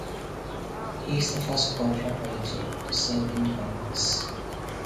He is the first quadriplegic to serve in Congress.